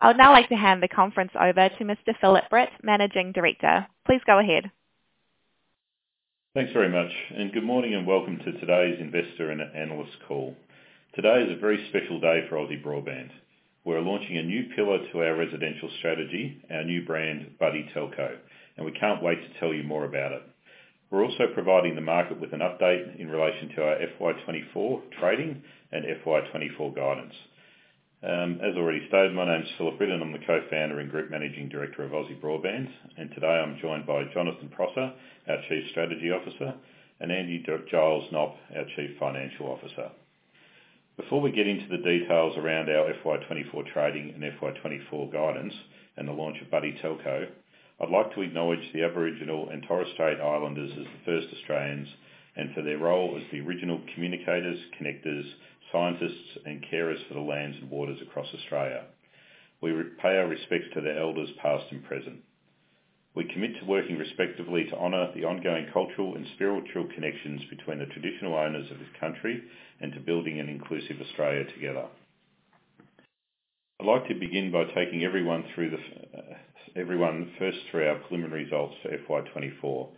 I would now like to hand the conference over to Mr. Phillip Britt, Managing Director. Please go ahead. Thanks very much, and good morning, and welcome to today's investor and analyst call. Today is a very special day for Aussie Broadband. We're launching a new pillar to our residential strategy, our new brand, Buddy Telco, and we can't wait to tell you more about it. We're also providing the market with an update in relation to our FY 2024 trading and FY 2024 guidance. As already stated, my name is Phillip Britt, and I'm the Co-founder and Group Managing Director of Aussie Broadband, and today I'm joined by Jonathan Prosser, our Chief Strategy Officer, and Andy Giles Knopp, our Chief Financial Officer. Before we get into the details around our FY 2024 trading and FY 2024 guidance and the launch of Buddy Telco, I'd like to acknowledge the Aboriginal and Torres Strait Islanders as the first Australians, and for their role as the original communicators, connectors, scientists, and carers for the lands and waters across Australia. We pay our respects to the elders, past and present. We commit to working respectfully to honor the ongoing cultural and spiritual connections between the traditional owners of this country and to building an inclusive Australia together. I'd like to begin by taking everyone through, everyone first through our preliminary results for FY 2024,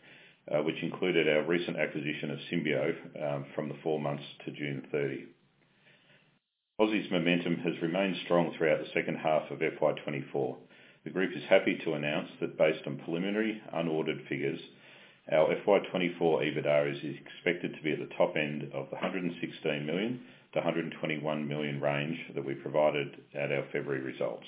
which included our recent acquisition of Symbio, from the 4 months to June 30. Aussie's momentum has remained strong throughout the second half of FY 2024. The group is happy to announce that based on preliminary, unordered figures, our FY 2024 EBITDA is expected to be at the top end of the 116 million to 121 million range that we provided at our February results.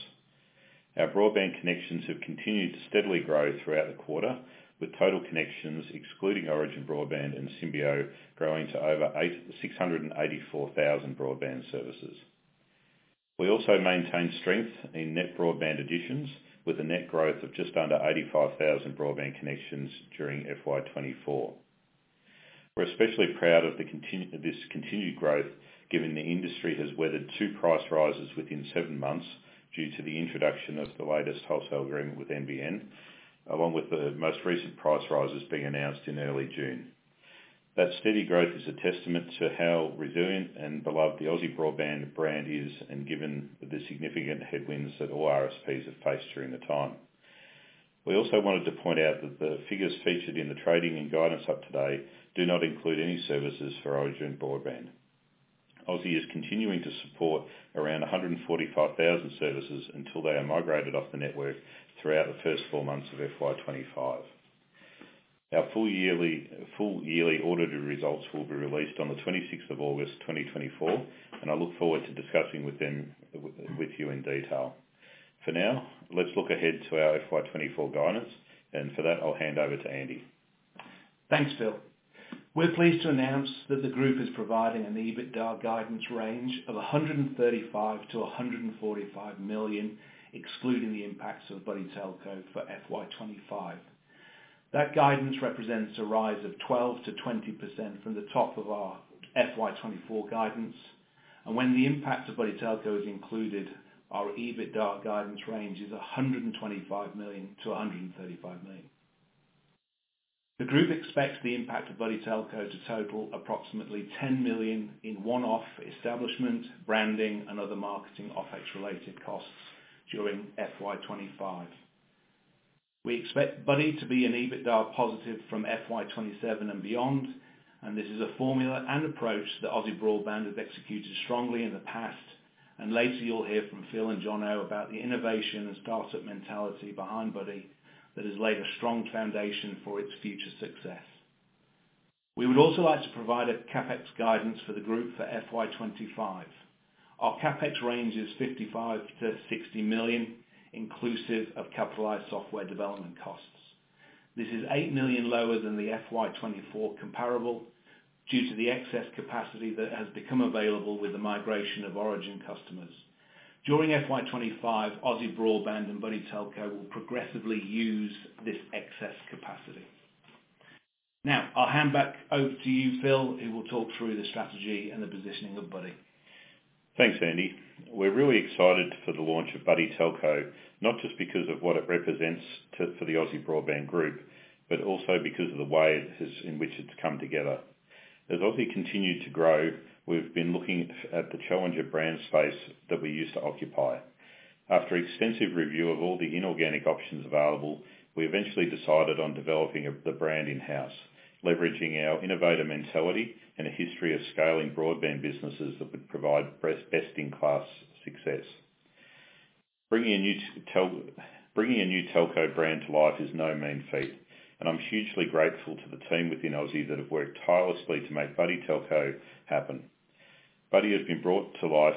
Our broadband connections have continued to steadily grow throughout the quarter, with total connections excluding Origin Broadband and Symbio, growing to over 884,000 broadband services. We also maintained strength in net broadband additions, with a net growth of just under 85,000 broadband connections during FY 2024. We're especially proud of the continued growth, given the industry has weathered two price rises within seven months due to the introduction of the latest wholesale agreement with NBN, along with the most recent price rises being announced in early June. That steady growth is a testament to how resilient and beloved the Aussie Broadband brand is, and given the significant headwinds that all RSPs have faced during the time. We also wanted to point out that the figures featured in the trading and guidance up today do not include any services for Origin Broadband. Aussie is continuing to support around 145,000 services until they are migrated off the network throughout the first four months of FY 2025. Our full yearly, full yearly audited results will be released on the 26th of August, 2024, and I look forward to discussing with you in detail. For now, let's look ahead to our FY 2024 guidance, and for that, I'll hand over to Andy. Thanks, Phil. We're pleased to announce that the group is providing an EBITDA guidance range of 135 million to 145 million, excluding the impacts of Buddy Telco for FY 2025. That guidance represents a rise of 12% to 20% from the top of our FY 2024 guidance, and when the impact of Buddy Telco is included, our EBITDA guidance range is 125 million to 135 million. The group expects the impact of Buddy Telco to total approximately 10 million in one-off establishment, branding, and other marketing OpEx-related costs during FY 2025. We expect Buddy to be an EBITDA-positive from FY 2027 and beyond, and this is a formula and approach that Aussie Broadband has executed strongly in the past. Later, you'll hear from Phil and Jono about the innovation and startup mentality behind Buddy that has laid a strong foundation for its future success. We would also like to provide a CapEx guidance for the group for FY 2025. Our CapEx range is 55 million to 60 million, inclusive of capitalized software development costs. This is 8 million lower than the FY 2024 comparable, due to the excess capacity that has become available with the migration of Origin customers. During FY 2025, Aussie Broadband and Buddy Telco will progressively use this excess capacity. Now, I'll hand back over to you, Phil, who will talk through the strategy and the positioning of Buddy. Thanks, Andy. We're really excited for the launch of Buddy Telco, not just because of what it represents for the Aussie Broadband group, but also because of the way in which it's come together. As Aussie continued to grow, we've been looking at the challenger brand space that we used to occupy. After extensive review of all the inorganic options available, we eventually decided on developing the brand in-house, leveraging our innovative mentality and a history of scaling broadband businesses that would provide best-in-class success. Bringing a new telco brand to life is no mean feat, and I'm hugely grateful to the team within Aussie that have worked tirelessly to make Buddy Telco happen. Buddy has been brought to life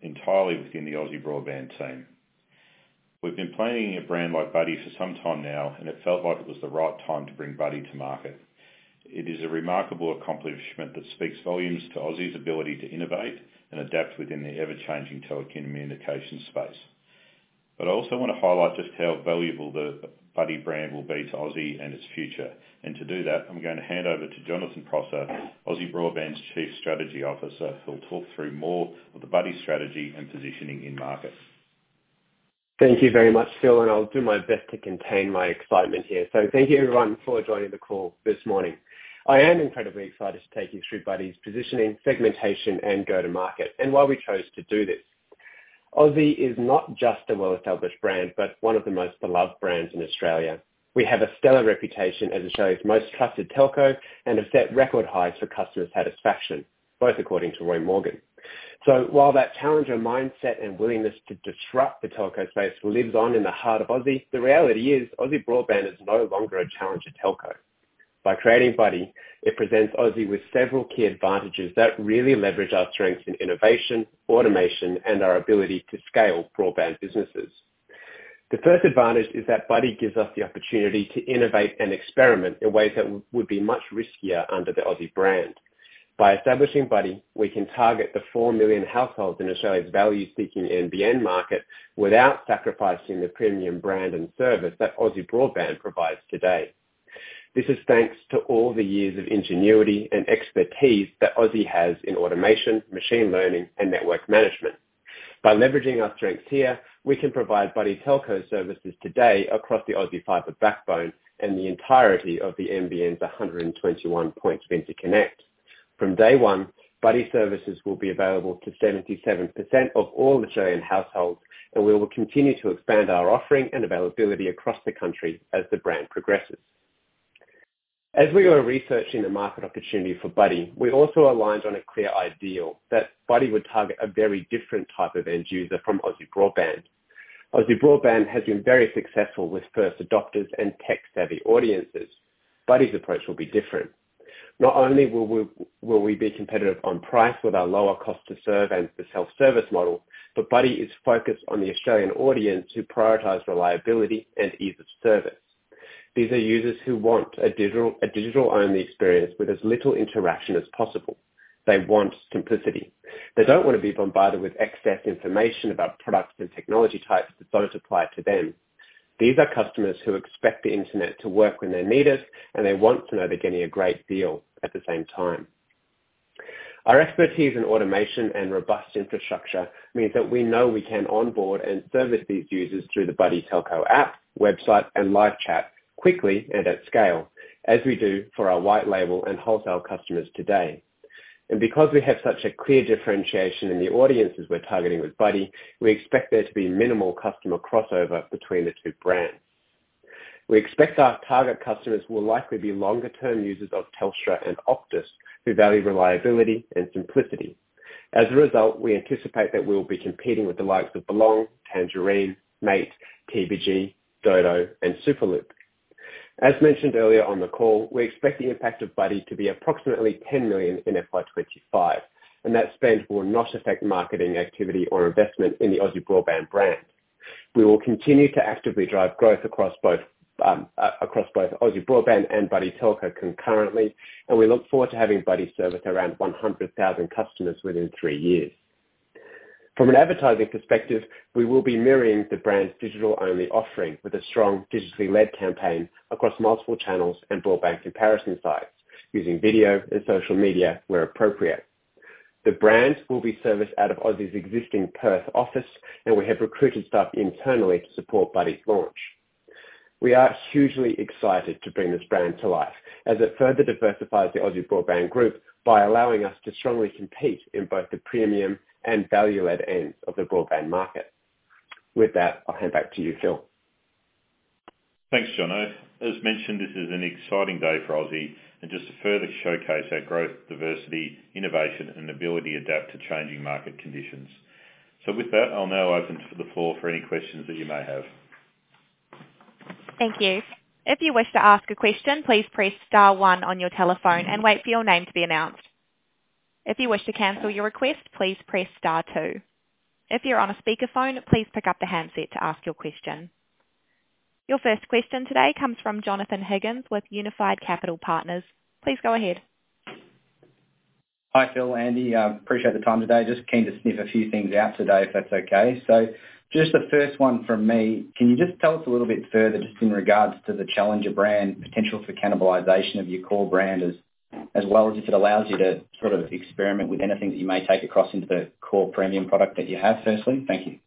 entirely within the Aussie Broadband team. We've been planning a brand like Buddy for some time now, and it felt like it was the right time to bring Buddy to market. It is a remarkable accomplishment that speaks volumes to Aussie's ability to innovate and adapt within the ever-changing telecommunications space. But I also want to highlight just how valuable the Buddy brand will be to Aussie and its future, and to do that, I'm going to hand over to Jonathan Prosser, Aussie Broadband's Chief Strategy Officer, who will talk through more of the Buddy strategy and positioning in market. Thank you very much, Phil, and I'll do my best to contain my excitement here. So thank you everyone for joining the call this morning. I am incredibly excited to take you through Buddy's positioning, segmentation, and go-to-market, and why we chose to do this. Aussie is not just a well-established brand, but one of the most beloved brands in Australia. We have a stellar reputation as Australia's most trusted telco and have set record highs for customer satisfaction, both according to Roy Morgan. So while that challenger mindset and willingness to disrupt the telco space lives on in the heart of Aussie, the reality is, Aussie Broadband is no longer a challenger telco. By creating Buddy, it presents Aussie with several key advantages that really leverage our strengths in innovation, automation, and our ability to scale broadband businesses. The first advantage is that Buddy gives us the opportunity to innovate and experiment in ways that would be much riskier under the Aussie brand. By establishing Buddy, we can target the 4 million households in Australia's value-seeking NBN market without sacrificing the premium brand and service that Aussie Broadband provides today. This is thanks to all the years of ingenuity and expertise that Aussie has in automation, machine learning, and network management. By leveraging our strengths here, we can provide Buddy Telco services today across the Aussie fiber backbone and the entirety of the NBN's 121 Points of Interconnect. From day one, Buddy services will be available to 77% of all Australian households, and we will continue to expand our offering and availability across the country as the brand progresses. As we were researching the market opportunity for Buddy, we also aligned on a clear idea, that Buddy would target a very different type of end user from Aussie Broadband. Aussie Broadband has been very successful with first adopters and tech-savvy audiences. Buddy's approach will be different. Not only will we be competitive on price with our lower cost to serve and the self-service model, but Buddy is focused on the Australian audience who prioritize reliability and ease of service. These are users who want a digital-only experience with as little interaction as possible. They want simplicity. They don't want to be bombarded with excess information about products and technology types that don't apply to them. These are customers who expect the internet to work when they need it, and they want to know they're getting a great deal at the same time. Our expertise in automation and robust infrastructure means that we know we can onboard and service these users through the Buddy Telco app, website, and live chat quickly and at scale, as we do for our white label and wholesale customers today. Because we have such a clear differentiation in the audiences we're targeting with Buddy, we expect there to be minimal customer crossover between the two brands. We expect our target customers will likely be longer-term users of Telstra and Optus, who value reliability and simplicity. As a result, we anticipate that we'll be competing with the likes of Belong, Tangerine, Mate, TPG, Dodo, and Superloop. As mentioned earlier on the call, we expect the impact of Buddy to be approximately 10 million in FY 2025, and that spend will not affect marketing activity or investment in the Aussie Broadband brand. We will continue to actively drive growth across both Aussie Broadband and Buddy Telco concurrently, and we look forward to having Buddy service around 100,000 customers within 3 years. From an advertising perspective, we will be mirroring the brand's digital-only offering with a strong digitally led campaign across multiple channels and broadband comparison sites, using video and social media where appropriate. The brand will be serviced out of Aussie's existing Perth office, and we have recruited staff internally to support Buddy's launch. We are hugely excited to bring this brand to life, as it further diversifies the Aussie Broadband group by allowing us to strongly compete in both the premium and value-added ends of the broadband market. With that, I'll hand back to you, Phil. Thanks, Jono. As mentioned, this is an exciting day for Aussie, and just to further showcase our growth, diversity, innovation, and ability to adapt to changing market conditions. So with that, I'll now open to the floor for any questions that you may have. Thank you. If you wish to ask a question, please press star one on your telephone and wait for your name to be announced. If you wish to cancel your request, please press star two. If you're on a speakerphone, please pick up the handset to ask your question. Your first question today comes from Jonathan Higgins with Unified Capital Partners. Please go ahead. Hi, Phil, Andy. Appreciate the time today. Just keen to sniff a few things out today, if that's okay. So just the first one from me, can you just tell us a little bit further, just in regards to the challenger brand, potential for cannibalization of your core brand as well as if it allows you to sort of experiment with anything that you may take across into the core premium product that you have, firstly? Thank you.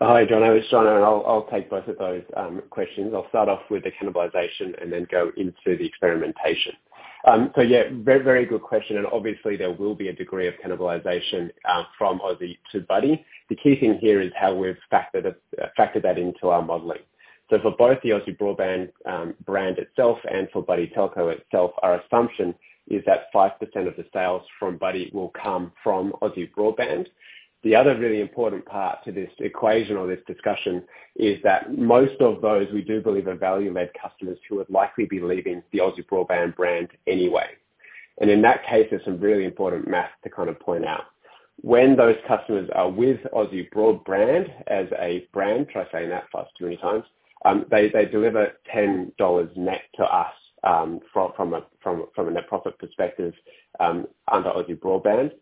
Hi, Jono, it's Jono, and I'll, I'll take both of those questions. I'll start off with the cannibalization and then go into the experimentation. So yeah, very, very good question, and obviously there will be a degree of cannibalization from Aussie to Buddy. The key thing here is how we've factored it, factored that into our modeling. So for both the Aussie Broadband brand itself and for Buddy Telco itself, our assumption is that 5% of the sales from Buddy will come from Aussie Broadband. The other really important part to this equation or this discussion is that most of those we do believe are value-led customers who would likely be leaving the Aussie Broadband brand anyway. And in that case, there's some really important math to kind of point out. When those customers are with Aussie Broadband as a brand, try saying that fast too many times! They deliver 10 dollars net to us from a net profit perspective under Aussie Broadband.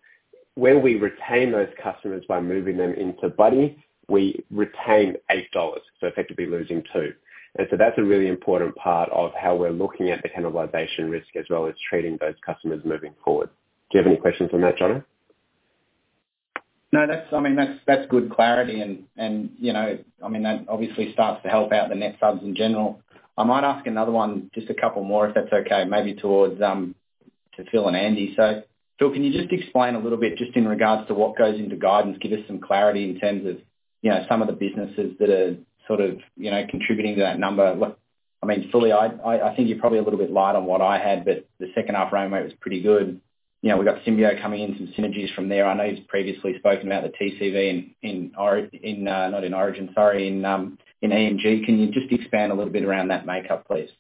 When we retain those customers by moving them into Buddy, we retain 8 dollars, so effectively losing 2. And so that's a really important part of how we're looking at the cannibalization risk, as well as treating those customers moving forward. Do you have any questions on that, Jono? No, that's... I mean, that's good clarity, and you know, I mean, that obviously starts to help out the net subs in general. I might ask another one, just a couple more, if that's okay. Maybe towards... to Phil and Andy. So Phil, can you just explain a little bit, just in regards to what goes into guidance, give us some clarity in terms of, you know, some of the businesses that are sort of, you know, contributing to that number? Look, I mean, fully, I think you're probably a little bit light on what I had, but the second half runway was pretty good. You know, we've got Symbio coming in, some synergies from there. I know you've previously spoken about the TCV in Or- in, not in Origin, sorry, in E&G. Can you just expand a little bit around that makeup, please?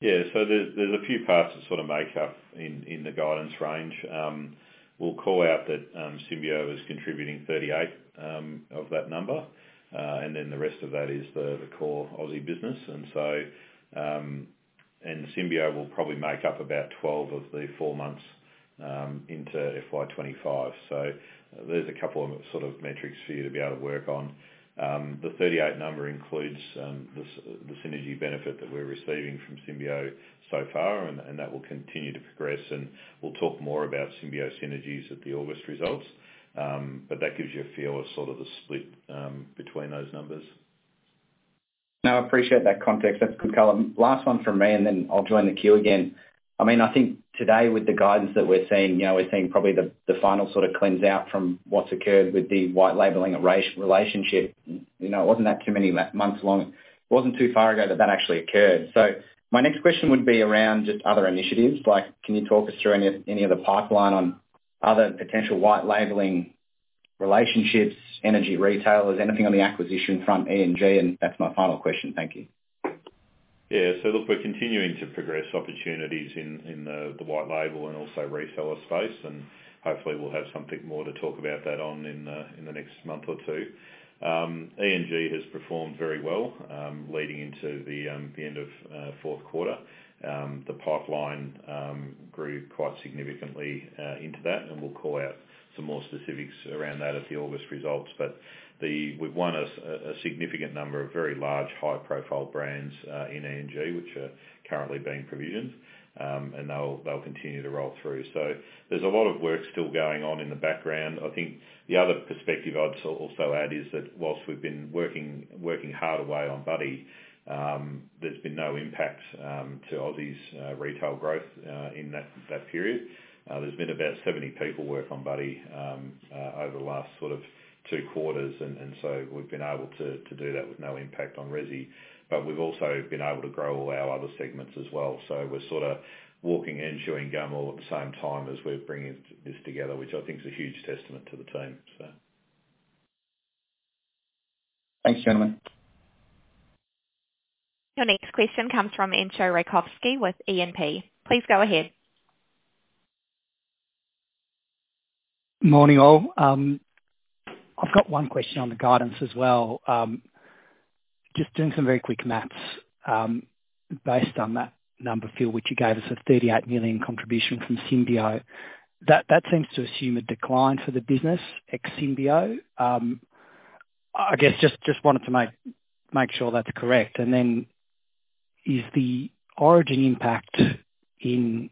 Yeah, so there's a few parts to sort of make up in the guidance range. We'll call out that Symbio is contributing 38 of that number. And then the rest of that is the core Aussie business. And so, and Symbio will probably make up about 12 of the 4 months into FY 2025. So there's a couple of sort of metrics for you to be able to work on. The 38 number includes the synergy benefit that we're receiving from Symbio so far, and that will continue to progress, and we'll talk more about Symbio synergies at the August results. But that gives you a feel of sort of the split between those numbers. No, I appreciate that context. That's a good color. Last one from me, and then I'll join the queue again. I mean, I think today with the guidance that we're seeing, you know, we're seeing probably the final sort of cleanse out from what's occurred with the white labeling relationship. You know, it wasn't that too many months long. It wasn't too far ago that that actually occurred. So my next question would be around just other initiatives, like can you talk us through any of the pipeline on other potential white labeling relationships, energy retailers, anything on the acquisition front, E&G, and that's my final question. Thank you. Yeah. So look, we're continuing to progress opportunities in the white label and also reseller space, and hopefully we'll have something more to talk about that on in the next month or two. E&G has performed very well, leading into the end of Q4. The pipeline grew quite significantly into that, and we'll call out some more specifics around that at the August results. But we've won a significant number of very large, high-profile brands in E&G, which are currently being provisioned. And they'll continue to roll through. So there's a lot of work still going on in the background. I think the other perspective I'd also add is that whilst we've been working hard away on Buddy, there's been no impact to Aussie's retail growth in that period. There's been about 70 people work on Buddy over the last sort of two quarters, and so we've been able to do that with no impact on resi. But we've also been able to grow all our other segments as well. So we're sort of walking and chewing gum all at the same time as we're bringing this together, which I think is a huge testament to the team, so. Thanks, gentlemen. Your next question comes from Entcho Raykovski with E&P. Please go ahead. Morning, all. I've got one question on the guidance as well. Just doing some very quick math, based on that number, Phil, which you gave us, a 38 million contribution from Symbio. That seems to assume a decline for the business, ex Symbio. I guess just wanted to make sure that's correct. And then, is the Origin impact in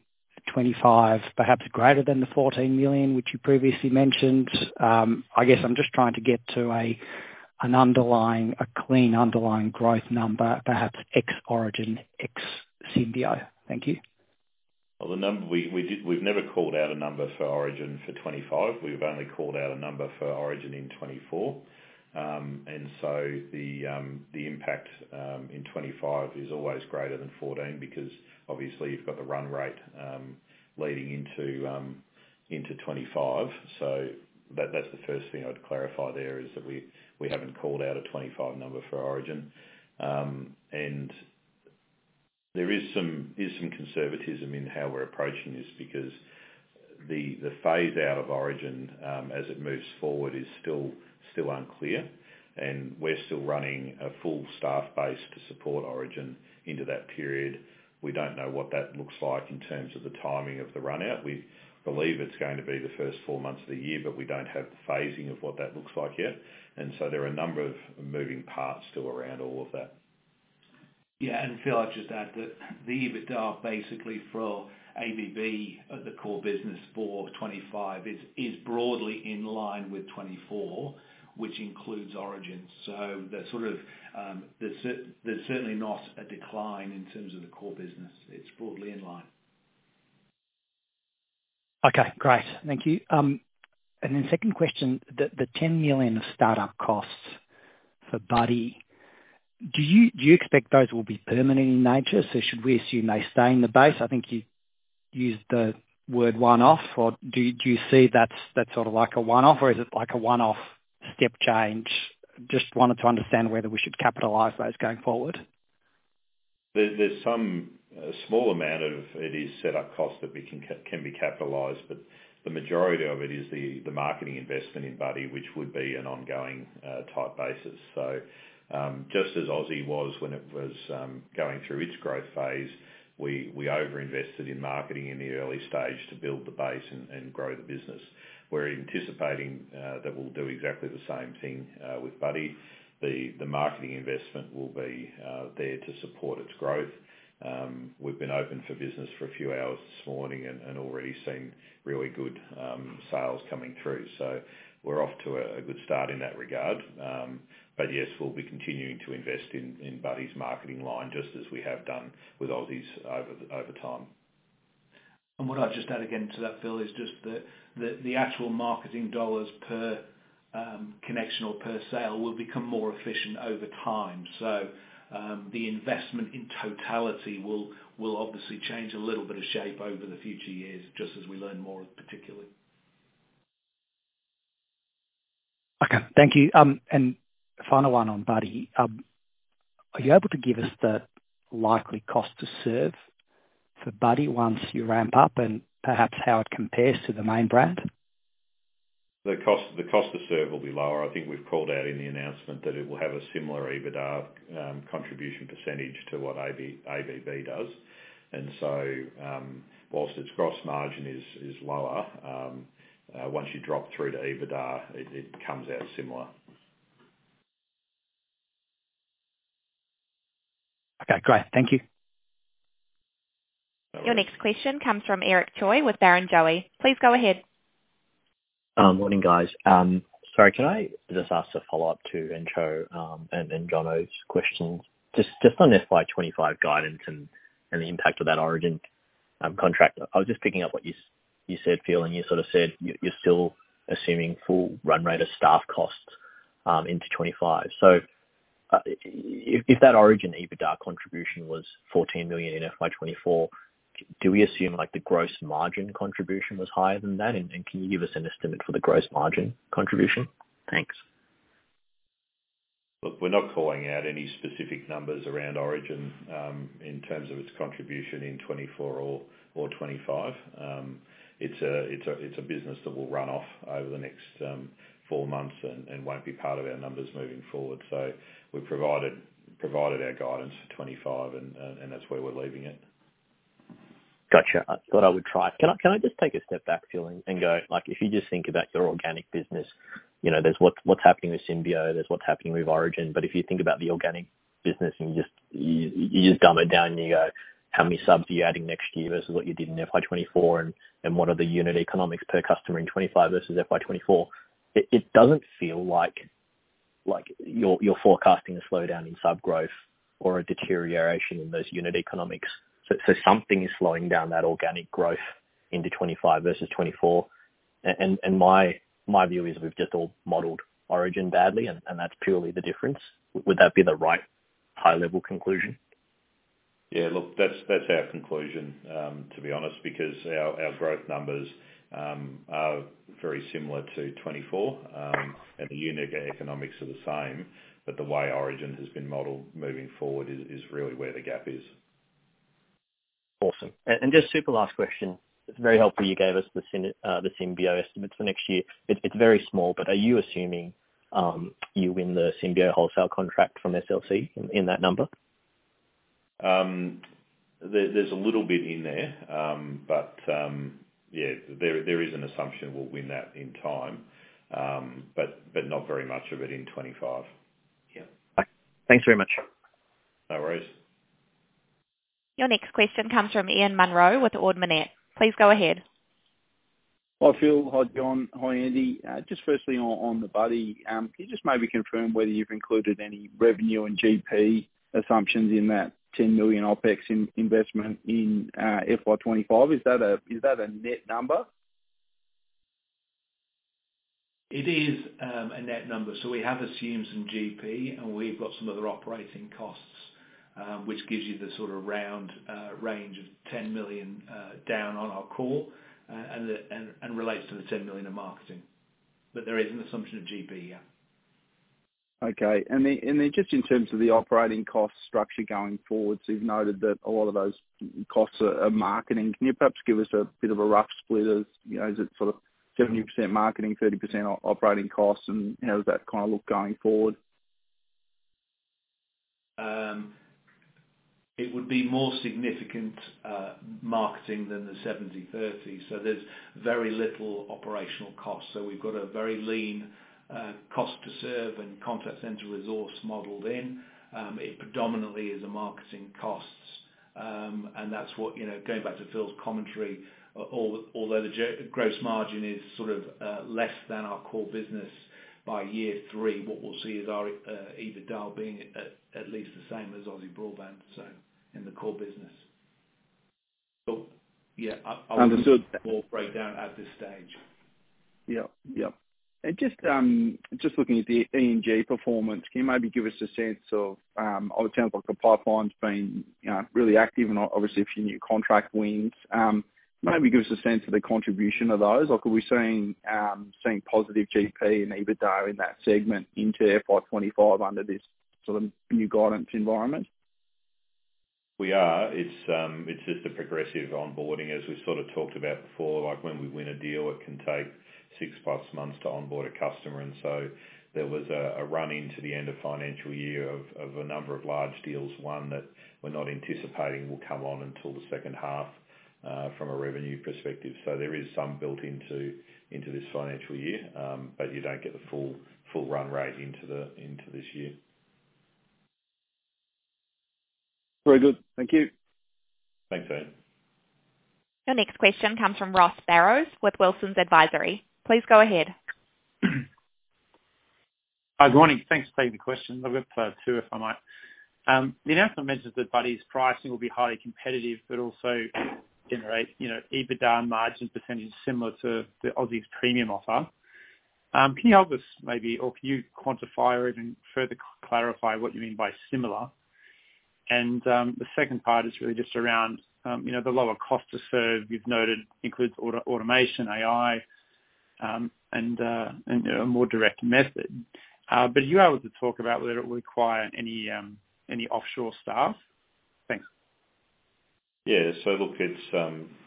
2025 perhaps greater than the 14 million which you previously mentioned? I guess I'm just trying to get to an underlying, a clean underlying growth number, perhaps ex Origin, ex Symbio. Thank you. Well, we've never called out a number for Origin for 2025. We've only called out a number for Origin in 2024. And so the impact in 2025 is always greater than 14, because obviously you've got the run rate leading into 2025. So that's the first thing I'd clarify there, is that we haven't called out a 2025 number for Origin. And there is some conservatism in how we're approaching this, because the phase out of Origin as it moves forward is still unclear, and we're still running a full staff base to support Origin into that period. We don't know what that looks like in terms of the timing of the run out. We believe it's going to be the first four months of the year, but we don't have the phasing of what that looks like yet, and so there are a number of moving parts still around all of that. Yeah, and Phil, I'd just add that the EBITDA, basically for ABB, the core business for 2025 is broadly in line with 2024, which includes Origin. So there's sort of, there's certainly not a decline in terms of the core business. It's broadly in line. Okay, great. Thank you. And then second question, the 10 million of startup costs for Buddy, do you expect those will be permanent in nature? So should we assume they stay in the base? I think you used the word one-off, or do you see that sort of like a one-off, or is it like a one-off step change? Just wanted to understand whether we should capitalize those going forward. There's some a small amount of it is set up costs that we can be capitalized, but the majority of it is the marketing investment in Buddy, which would be an ongoing type basis. So, just as Aussie was when it was going through its growth phase, we over-invested in marketing in the early stage to build the base and grow the business. We're anticipating that we'll do exactly the same thing with Buddy. The marketing investment will be there to support its growth. We've been open for business for a few hours this morning and already seen really good sales coming through, so we're off to a good start in that regard. But yes, we'll be continuing to invest in Buddy's marketing line, just as we have done with Aussie's over time. What I'd just add again to that, Phil, is just that the actual marketing dollars per connection or per sale will become more efficient over time. So, the investment in totality will obviously change a little bit of shape over the future years, just as we learn more particularly. Okay, thank you. Final one on Buddy. Are you able to give us the likely cost to serve for Buddy once you ramp up, and perhaps how it compares to the main brand? The cost, the cost to serve will be lower. I think we've called out in the announcement that it will have a similar EBITDA contribution percentage to what ABB does. And so, whilst its gross margin is lower, once you drop through to EBITDA, it comes out similar. Okay, great. Thank you. Your next question comes from Eric Choi with Barrenjoey. Please go ahead. Morning, guys. Sorry, can I just ask a follow-up to Enzo, and Jono's questions? Just on FY 2025 guidance and the impact of that Origin contract. I was just picking up what you said, Phil, and you sort of said you're still assuming full run rate of staff costs into 2025. So, if that Origin EBITDA contribution was 14 million in FY 2024, do we assume like the gross margin contribution was higher than that? And can you give us an estimate for the gross margin contribution? Thanks. Look, we're not calling out any specific numbers around Origin, in terms of its contribution in 2024 or 2025. It's a business that will run off over the next four months and won't be part of our numbers moving forward. So we've provided our guidance for 2025, and that's where we're leaving it. Gotcha. I thought I would try. Can I, can I just take a step back, Phil, and, and go, like, if you just think about your organic business, you know, there's what's happening with Symbio, there's what's happening with Origin. But if you think about the organic business, and you just, you just dumb it down, and you go, "How many subs are you adding next year versus what you did in FY 2024, and, and what are the unit economics per customer in 2025 versus FY 2024?" It, it doesn't feel like, like, you're, you're forecasting a slowdown in sub growth or a deterioration in those unit economics. So, so something is slowing down that organic growth into 2025 versus 2024. And, and, and my, my view is we've just all modeled Origin badly, and, and that's purely the difference. Would that be the right high-level conclusion? Yeah, look, that's, that's our conclusion, to be honest, because our, our growth numbers, are very similar to 2024. And the unit economics are the same, but the way Origin has been modeled moving forward is, is really where the gap is. Awesome. Just super last question. It's very helpful you gave us the Symbio estimates for next year. It's very small, but are you assuming you win the Symbio wholesale contract from SLC in that number? There's a little bit in there. But yeah, there is an assumption we'll win that in time, but not very much of it in 2025. Yeah. Thanks very much. No worries. Your next question comes from Ian Munro with Ord Minnett. Please go ahead. Hi, Phil. Hi, John. Hi, Andy. Just firstly on the Buddy, can you just maybe confirm whether you've included any revenue and GP assumptions in that 10 million OpEx investment in FY 2025? Is that a net number? It is a net number. So we have assumed some GP, and we've got some other operating costs, which gives you the sort of round range of 10 million down on our call, and relates to the 10 million in marketing. But there is an assumption of GP, yeah. Okay. Then just in terms of the operating cost structure going forward, you've noted that a lot of those costs are marketing. Can you perhaps give us a bit of a rough split of, you know, is it sort of 70% marketing, 30% operating costs, and how does that kind of look going forward? It would be more significant marketing than the 70/30. So there's very little operational cost. So we've got a very lean, cost to serve and contact center resource modeled in. It predominantly is a marketing costs, and that's what, you know, going back to Phil's commentary, although the gross margin is sort of, less than our core business, by year three, what we'll see is our, EBITDA being at, at least the same as Aussie Broadband, so in the core business. So, yeah, I- Understood. More breakdown at this stage. Yep. Yep, and just, just looking at the ENJ performance, can you maybe give us a sense of, on the terms of like the pipeline's been, you know, really active and obviously a few new contract wins. Maybe give us a sense of the contribution of those. Like, are we seeing positive GP and EBITDA in that segment into FY 25 under this sort of new guidance environment? We are. It's, it's just a progressive onboarding, as we sort of talked about before. Like, when we win a deal, it can take 6-plus months to onboard a customer. And so there was a run-in to the end of financial year of a number of large deals, one that we're not anticipating will come on until the second half, from a revenue perspective. So there is some built into this financial year. But you don't get the full run rate into this year. Very good. Thank you. Thanks, Ian. Your next question comes from Ross Barrows with Wilsons Advisory. Please go ahead. Hi, good morning. Thanks for taking the question. I've got two, if I might. The announcement mentions that Buddy's pricing will be highly competitive, but also generate, you know, EBITDA and margin percentage similar to the Aussie's premium offer. Can you help us maybe, or can you quantify or even further clarify what you mean by similar? And the second part is really just around, you know, the lower cost to serve you've noted includes automation, AI, and a more direct method. But are you able to talk about whether it will require any offshore staff? Thanks. Yeah. So look, it's.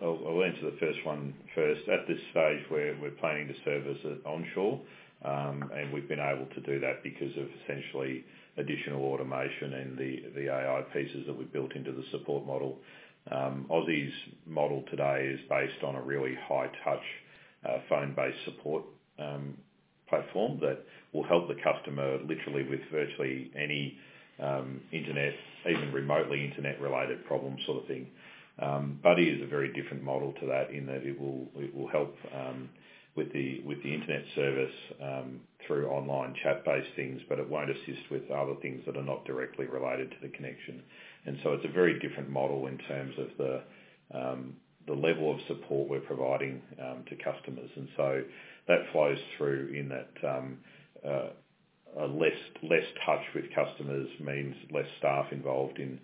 I'll answer the first one first. At this stage, we're planning to service it onshore, and we've been able to do that because of essentially additional automation and the AI pieces that we've built into the support model. Aussie's model today is based on a really high touch, phone-based support platform that will help the customer literally with virtually any, internet, even remotely internet-related problem sort of thing. Buddy is a very different model to that in that it will help with the internet service through online chat-based things, but it won't assist with other things that are not directly related to the connection. And so it's a very different model in terms of the level of support we're providing to customers. That flows through in that a less touch with customers means less staff involved in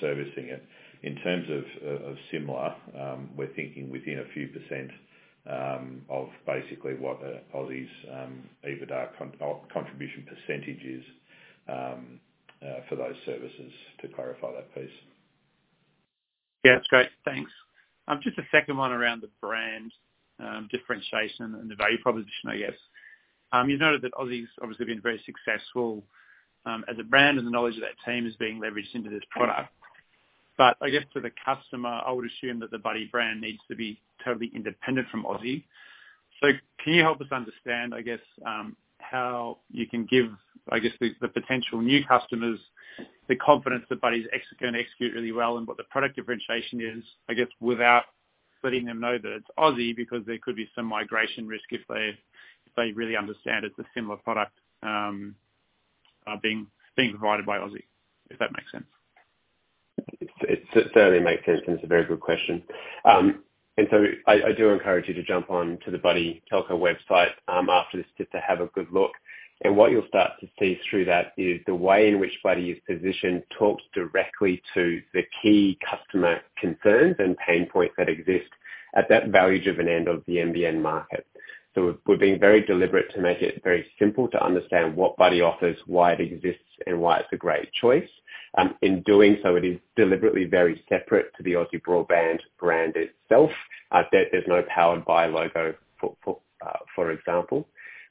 servicing it. In terms of similar, we're thinking within a few percent of basically what Aussie's EBITDA contribution percentage is for those services, to clarify that piece. Yeah, that's great. Thanks. Just a second one around the brand differentiation and the value proposition, I guess. You've noted that Aussie's obviously been very successful as a brand, and the knowledge of that team is being leveraged into this product. But I guess for the customer, I would assume that the Buddy brand needs to be totally independent from Aussie. So can you help us understand, I guess, how you can give the potential new customers the confidence that Buddy's gonna execute really well, and what the product differentiation is, I guess, without letting them know that it's Aussie, because there could be some migration risk if they really understand it's a similar product being provided by Aussie, if that makes sense? It certainly makes sense, and it's a very good question. So I do encourage you to jump on to the Buddy Telco website after this, just to have a good look. What you'll start to see through that is the way in which Buddy is positioned, talks directly to the key customer concerns and pain points that exist at that value-driven end of the NBN market. So we're being very deliberate to make it very simple to understand what Buddy offers, why it exists, and why it's a great choice. In doing so, it is deliberately very separate to the Aussie Broadband brand itself. There's no "Powered by" logo for example.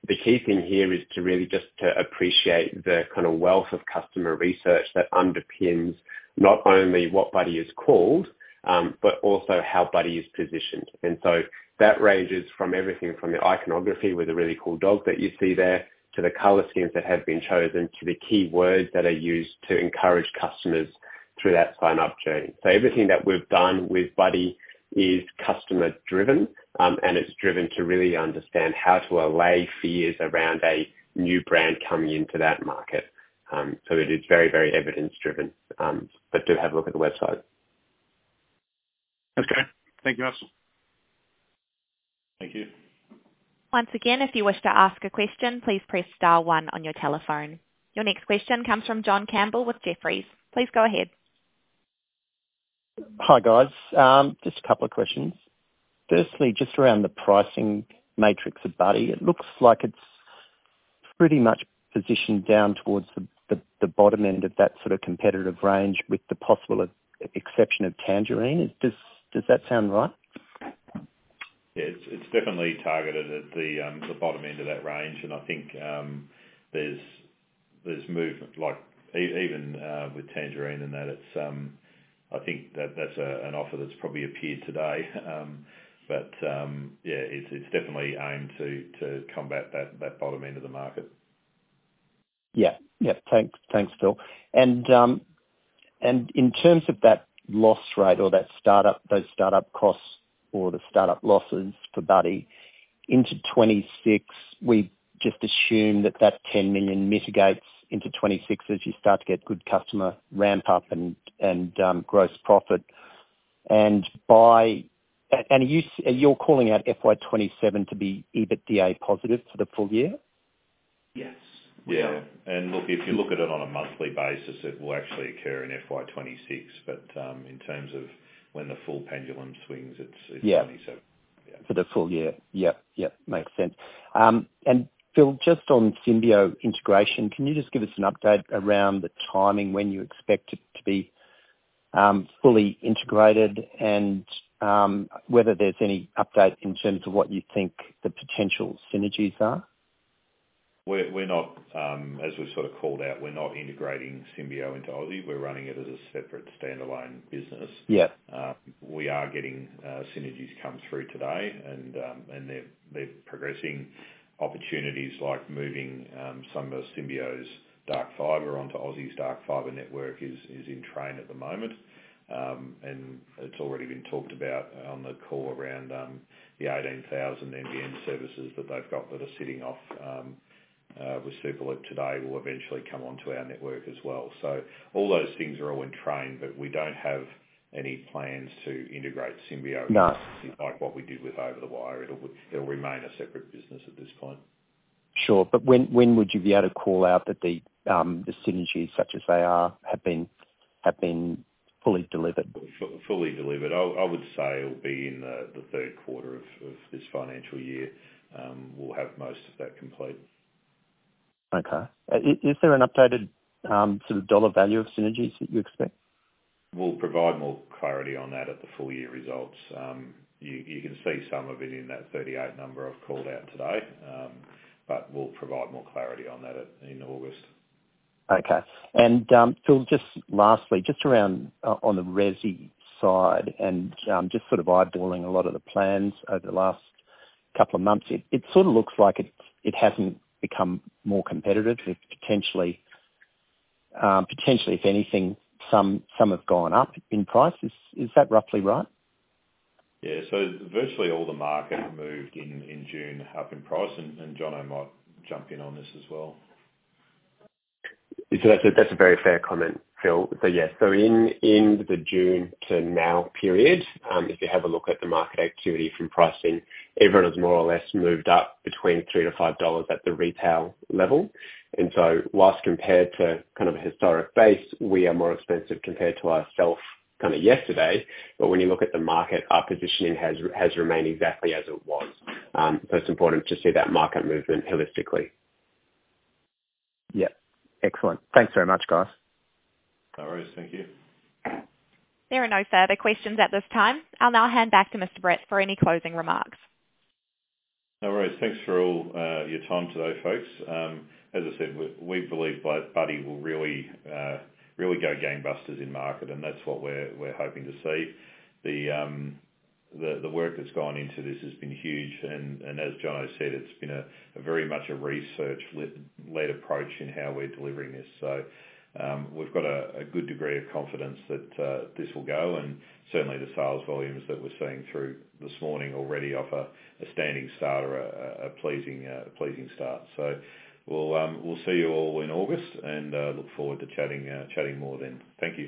The key thing here is really just appreciate the kind of wealth of customer research that underpins not only what Buddy is called, but also how Buddy is positioned. That ranges from everything from the iconography with the really cool dog that you see there, to the color schemes that have been chosen, to the key words that are used to encourage customers through that sign-up journey. Everything that we've done with Buddy is customer driven, and it's driven to really understand how to allay fears around a new brand coming into that market. It is very, very evidence driven. But do have a look at the website. Okay. Thank you, Russell. Thank you. Once again, if you wish to ask a question, please press star one on your telephone. Your next question comes from John Campbell with Jefferies. Please go ahead. Hi, guys. Just a couple of questions. Firstly, just around the pricing matrix of Buddy, it looks like it's pretty much positioned down towards the bottom end of that sort of competitive range, with the possible exception of Tangerine. Does that sound right? Yeah. It's definitely targeted at the bottom end of that range, and I think there's movement like even with Tangerine in that it's... I think that's an offer that's probably appeared today. But yeah, it's definitely aimed to combat that bottom end of the market. Yeah. Yeah. Thanks. Thanks, Phil. And in terms of that loss rate or that startup, those startup costs, or the startup losses for Buddy into 2026, we just assume that that 10 million mitigates into 2026, as you start to get good customer ramp up and gross profit. And by and are you You're calling out FY 2027 to be EBITDA positive for the full year? Yes. Yeah, and look, if you look at it on a monthly basis, it will actually occur in FY 2026, but in terms of when the full pendulum swings, it's, it's- Yeah... 2027. Yeah. For the full year. Yep. Yep, makes sense. And, Phil, just on Symbio integration, can you just give us an update around the timing, when you expect it to be, fully integrated? And, whether there's any update in terms of what you think the potential synergies are? We're not, as we sort of called out, we're not integrating Symbio into Aussie. We're running it as a separate standalone business. Yeah. We are getting synergies come through today, and they're progressing. Opportunities like moving some of Symbio's dark fiber onto Aussie's dark fiber network is in train at the moment. And it's already been talked about on the call around the 18,000 NBN services that they've got that are sitting off with Superloop today, will eventually come onto our network as well. So all those things are all in train, but we don't have any plans to integrate Symbio- No Like what we did with Over the Wire. It'll, it'll remain a separate business at this point.... Sure, but when would you be able to call out that the synergies such as they are have been fully delivered? Fully delivered? I would say it will be in the Q3 of this financial year. We'll have most of that complete. Okay. Is there an updated sort of dollar value of synergies that you expect? We'll provide more clarity on that at the full year results. You can see some of it in that 38 number I've called out today, but we'll provide more clarity on that at, in August. Okay. And, Phil, just lastly, just around on the resi side, and, just sort of eyeballing a lot of the plans over the last couple of months, it sort of looks like it hasn't become more competitive. It's potentially, if anything, some have gone up in price. Is that roughly right? Yeah. So virtually all the market moved in June up in price, and Jono might jump in on this as well. That's a very fair comment, Phil. So yes, in the June to now period, if you have a look at the market activity from pricing, everyone has more or less moved up between 3 to 5 dollars at the retail level. And so while compared to kind of a historic base, we are more expensive compared to ourselves kind of yesterday, but when you look at the market, our positioning has remained exactly as it was. So it's important to see that market movement holistically. Yeah. Excellent. Thanks very much, guys. No worries. Thank you. There are no further questions at this time. I'll now hand back to Mr. Britt for any closing remarks. All right. Thanks for all your time today, folks. As I said, we believe Buddy will really really go gangbusters in market, and that's what we're hoping to see. The work that's gone into this has been huge, and as Jono said, it's been a very much a research led approach in how we're delivering this. So, we've got a good degree of confidence that this will go, and certainly the sales volumes that we're seeing through this morning already offer a standing start or a pleasing start. So we'll see you all in August, and look forward to chatting more then. Thank you.